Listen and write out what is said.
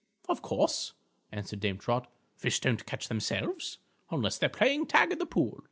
"Of course," answered Dame Trot, "fish don't catch themselves, unless they're playing tag in the pool."